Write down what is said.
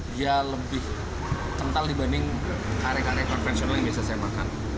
dia lebih kental dibanding karya karya konvensional yang biasa saya makan